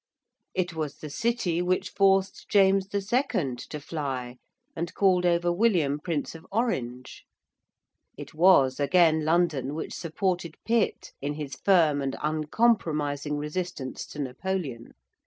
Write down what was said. It was the City which forced James II. to fly and called over William Prince of Orange. It was, again, London which supported Pitt in his firm and uncompromising resistance to Napoleon.